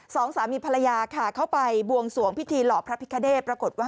สองสามีภรรยาค่ะเข้าไปบวงสวงพิธีหล่อพระพิคเนตปรากฏว่า